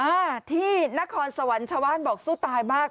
อ่าที่นครสวรรค์ชาวบ้านบอกสู้ตายมาก